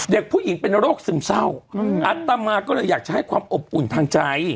เด็กผู้หญิงเป็นโรคซึมเศร้าอัตมาก็เลยอยากจะให้ความอบอุ่นทางใจ